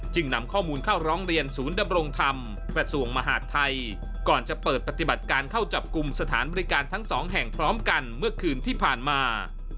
นำข้อมูลเข้าร้องเรียนศูนย์ดำรงธรรมกระทรวงมหาดไทยก่อนจะเปิดปฏิบัติการเข้าจับกลุ่มสถานบริการทั้งสองแห่งพร้อมกันเมื่อคืนที่ผ่านมา